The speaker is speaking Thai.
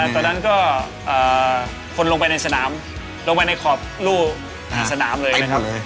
ตอนนั้นก็คนลงไปในสนามลงไปในขอบรูสนามเลยนะครับ